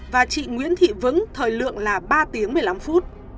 và chị nguyễn thị vững thời lượng là ba tiếng một mươi năm phút